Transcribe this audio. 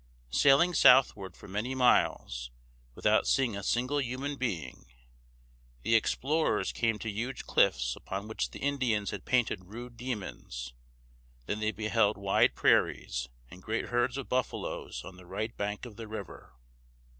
Sailing southward for many miles, without seeing a single human being, the explorers came to huge cliffs upon which the Indians had painted rude demons; then they beheld wide prairies and great herds of buffaloes on the right bank of the river.